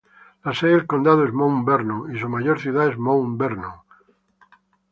La sede del condado es Mount Vernon, y su mayor ciudad es Mount Vernon.